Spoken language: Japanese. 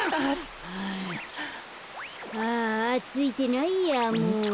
ああついてないやもう。